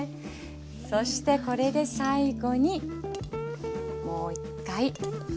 そしてこれで最後にもう一回混ぜます。